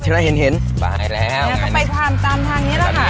นี่ก็ไปตามตามทางนี้จะเข้า